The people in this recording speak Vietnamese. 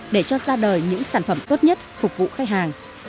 để cho ra đời những sản phẩm tốt nhất phục vụ khách hàng